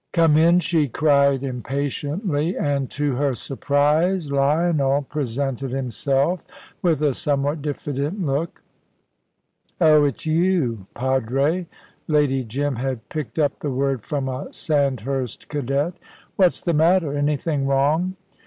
"Come in," she cried impatiently, and to her surprise, Lionel presented himself, with a somewhat diffident look. "Oh, it's you, padre!" Lady Jim had picked up the word from a Sandhurst cadet. "What's the matter, anything wrong?"